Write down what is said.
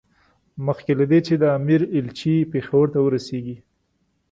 مخکې له دې چې د امیر ایلچي پېښور ته ورسېږي.